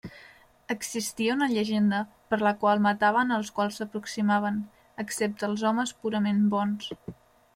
Existia una llegenda per la qual mataven als quals s'aproximaven, excepte als homes purament bons.